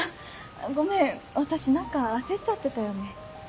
ごめん私何か焦っちゃってたよね。